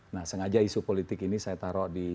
nah sengaja isu politik ini saya taruh di